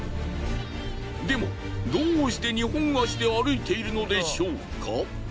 でもどうして２本足で歩いているのでしょうか？